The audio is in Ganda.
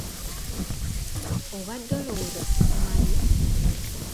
Obadde olowooza sikumanyi?